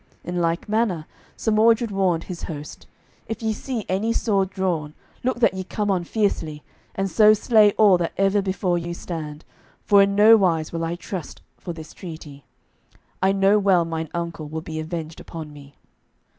In like manner Sir Mordred warned his host: "If ye see any sword drawn, look that ye come on fiercely, and so slay all that ever before you stand, for in no wise will I trust for this treaty. I know well mine uncle will be avenged upon me."